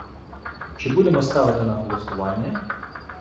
Чи будемо ставити на голосування?